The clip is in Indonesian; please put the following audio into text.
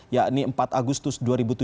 yakni empat agustus dua ribu tujuh belas